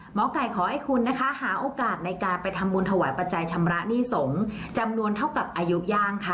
หมอไก่ขอให้คุณนะคะหาโอกาสในการไปทำบุญถวายปัจจัยชำระหนี้สงฆ์จำนวนเท่ากับอายุย่างค่ะ